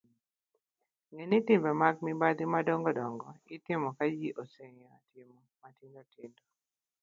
ng'e ni timbe mag mibadhi madongo' itimoga ka ji oseng'iyo timo matindotindo